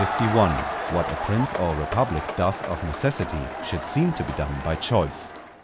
—What a Prince or Republic does of Necessity, should seem to be done by Choice.